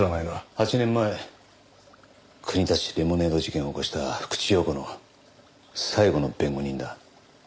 ８年前国立レモネード事件を起こした福地陽子の最後の弁護人だ。